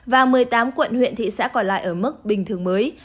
và một mươi tám quận huyện thị xã còn lại ở mức bình thường mới